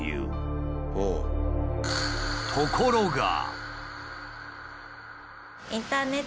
ところが。